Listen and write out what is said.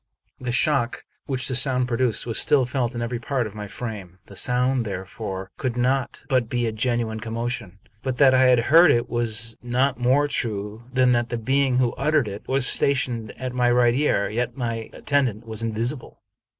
The shock which the sound produced was still felt in every part of my frame. The sound, therefore, could not but be a genuine commotion. But that I had heard it was not more true than that the being who uttered it was stationed at my right ear ; yet my attendant was invisible.